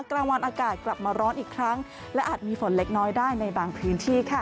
กลางวันอากาศกลับมาร้อนอีกครั้งและอาจมีฝนเล็กน้อยได้ในบางพื้นที่